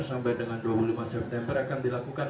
sampai dengan dua puluh lima september akan dilakukan